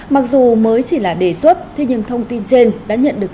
mặc dù mới chỉ là đề xuất thế nhưng thông tin trên đã nhận được